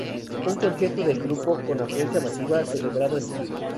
Un concierto del grupo, con afluencia masiva, celebrado en St.